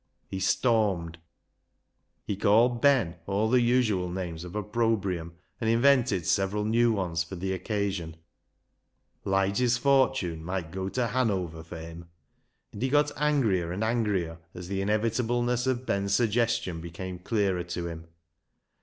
He stormed. He called Ben all the usual names of opprobrium, and invented several new ones for the occasion. Lige's fortune might go to Hanover for him. And he got angrier and 196 BECKSIDE LIGHTS angrier as the ine\'itableness of Ben's suggestion became clearer to him.